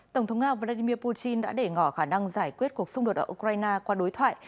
tổng thống nga vladimir putin đã để ngỏ khả năng giải quyết cuộc xung đột ở ukraine qua đối thoại